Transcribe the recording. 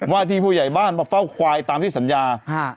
ว่าที่ผู้ใหญ่บ้านมาเฝ้าควายตามที่สัญญา